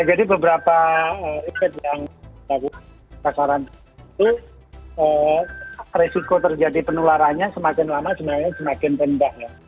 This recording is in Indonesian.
jadi beberapa riset yang terlalu berdasarkan itu risiko terjadi penularannya semakin lama semakin rendah ya